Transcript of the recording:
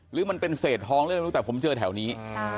หรือมันเป็นเศษทองหรืออะไรไม่รู้แต่ผมเจอแถวนี้